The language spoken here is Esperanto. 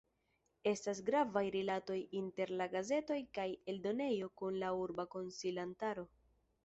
Estas gravaj rilatoj inter la gazeto kaj eldonejo kun la urba konsilantaro.